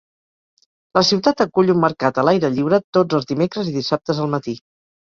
La ciutat acull un mercat a l'aire lliure tots els dimecres i dissabtes al matí.